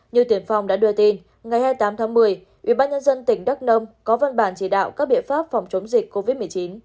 như tiền phong đã đưa tin ngày hai mươi tám tháng một mươi ubnd tỉnh đắk nông có văn bản chỉ đạo các biện pháp phòng chống dịch covid một mươi chín